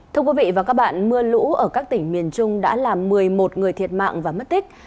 thưa quý vị và các bạn mưa lũ ở các tỉnh miền trung đã làm một mươi một người thiệt mạng và mất tích